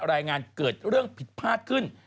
รายงานเกิดเรื่องผิดพลาดขึ้น